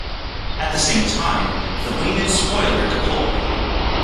At the same time, the wing and spoiler deploy.